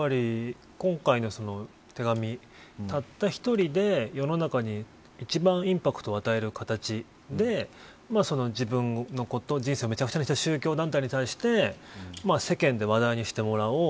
今回の手紙たった１人で世の中に一番インパクトを与える形で自分の人生をめちゃくちゃにした宗教団体に対して世間で話題にしてもらおう。